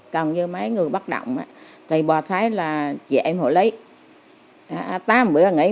còn như mấy người bắt động thì bò thái là chị em hộ lấy